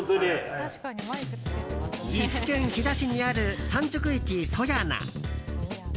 岐阜県飛騨市にある産直市そやな。